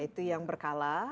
itu yang berkala